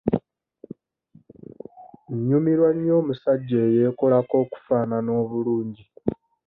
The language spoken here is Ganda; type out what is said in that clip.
Nnyumirwa nnyo omusajja eyeekolako okufaanana obulungi.